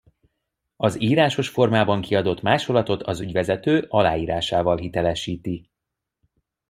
Az írásos formában kiadott másolatot az ügyvezető aláírásával hitelesíti.